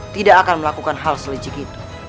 tidak akan melakukan hal selejik itu